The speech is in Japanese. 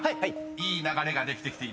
いい流れができてきています］